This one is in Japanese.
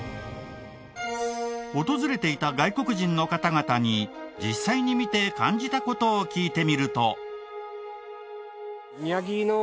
訪れていた外国人の方々に実際に見て感じた事を聞いてみると。